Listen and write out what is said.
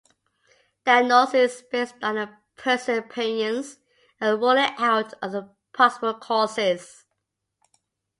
Diagnosis is based on a person's appearance and ruling out other possible causes.